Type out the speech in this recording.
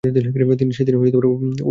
তিনি সে দিনই ঐ অর্ দান করে দিতেন।